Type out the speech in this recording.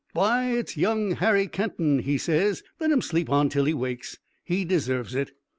'Why, it's young Harry Kenton!' he says. 'Let him sleep on till he wakes. He deserves it!'